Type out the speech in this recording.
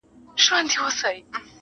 رحمان ځکه د خپل یار و مخ ته ځیر یم.